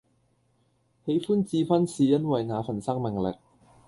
喜歡智勳是因為那份生命力